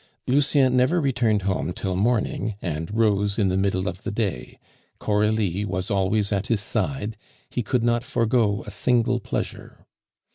Lucien never returned home till morning, and rose in the middle of the day; Coralie was always at his side, he could not forego a single pleasure.